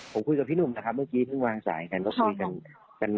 ผมคุยกับพี่หนุ่มนะครับเมื่อกี้เพิ่งวางสายกันก็คุยกัน